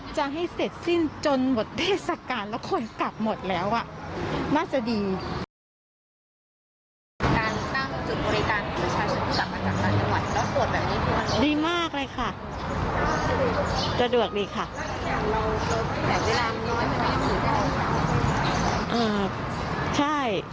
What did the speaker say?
แล้วตรวจแบบนี้ดีมากเลยค่ะสะดวกดีค่ะ